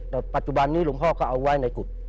แต่ปัจจุบันนี้หลวงพ่อก็เอาไว้ในกุฎ